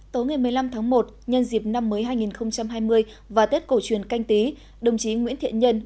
tối ngày một mươi năm tháng một nhân dịp năm mới hai nghìn hai mươi và tết cổ truyền canh tí đồng chí nguyễn thiện nhân